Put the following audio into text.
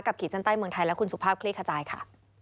ขีดเส้นใต้เมืองไทยและคุณสุภาพคลี่ขจายค่ะ